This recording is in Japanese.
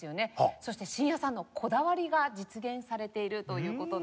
そして真矢さんのこだわりが実現されているという事なんです。